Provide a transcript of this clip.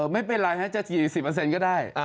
ไม่เป็นไรจะถี่๑๐ก็ได้